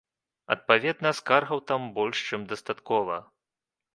Адпаведна, скаргаў там больш чым дастаткова.